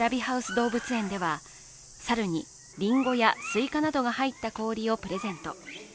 動物園では猿にりんごやすいかなどが入った氷をプレゼント。